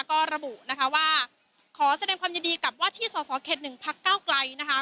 ก็ระบุนะคะว่าขอแสดงความยินดีกับว่าที่สอสอเขต๑พักเก้าไกลนะคะ